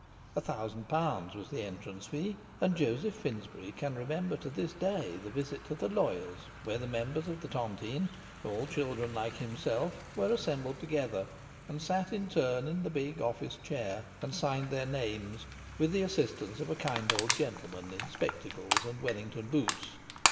A thousand pounds was the entrance fee; and Joseph Finsbury can remember to this day the visit to the lawyer's, where the members of the tontine all children like himself were assembled together, and sat in turn in the big office chair, and signed their names with the assistance of a kind old gentleman in spectacles and Wellington boots.